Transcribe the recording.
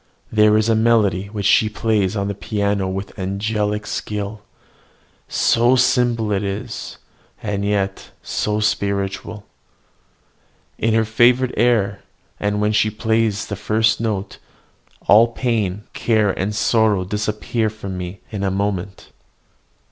There is a melody which she plays on the piano with angelic skill, so simple is it, and yet so spiritual! It is her favourite air; and, when she plays the first note, all pain, care, and sorrow disappear from me in a moment.